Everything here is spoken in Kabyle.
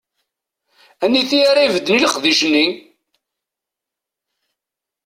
Aniti ara ibedden i leqdic-nni?